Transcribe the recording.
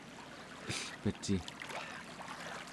elpeci